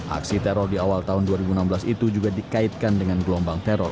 aksi teror di awal tahun dua ribu enam belas itu juga dikaitkan dengan gelombang teror